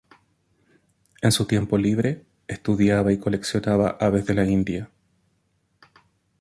En su tiempo libre estudiaba y coleccionaba aves de la India.